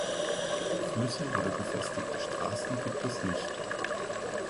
Flüsse oder befestigte Straßen gibt es nicht.